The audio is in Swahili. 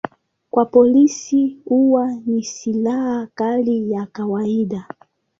Kwa polisi huwa ni silaha kali ya kawaida.